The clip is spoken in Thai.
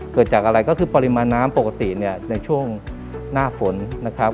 เกิดจากอะไรก็คือปริมาณน้ำปกติเนี่ยในช่วงหน้าฝนนะครับ